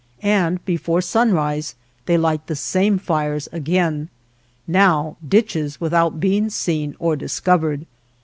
And before sunrise they light the same fires again. Now, ditches, without being seen or dis covered.